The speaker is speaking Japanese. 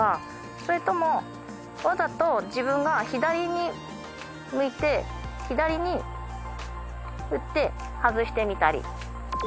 それともわざと自分が左に向いて左に打って外してみたり。